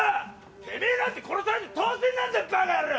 てめえなんて殺されて当然なんだよバカ野郎！